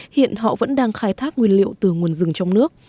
hiện họ vẫn đang khai thác nguyên liệu từ nguồn rừng trong nước